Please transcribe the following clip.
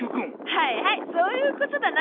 はいはいそういうことだな。